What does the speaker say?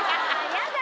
やだ。